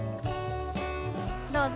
どうぞ。